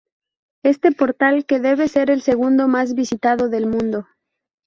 Este portal, que debe ser el segundo más visitado del mundo